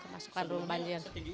masukkan rumah banjir